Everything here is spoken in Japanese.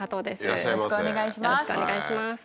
よろしくお願いします。